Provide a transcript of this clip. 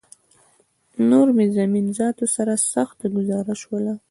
نور مې زمین ذاتو سره سخته ګوزاره شوله